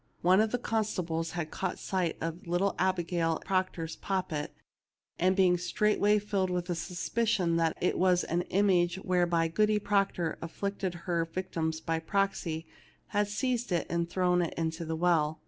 One of the constables had caught sight of little Abigail Proc tor's poppet, and being straightway rilled with suspicion that it was an image whereby Goody Proctor afflicted her victims by proxy, had seized it and thrown it into the well.